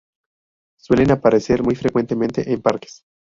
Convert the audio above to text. Suelen aparecer muy frecuentemente en parques.